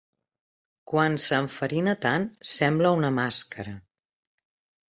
Quan s'enfarina tant, sembla una màscara.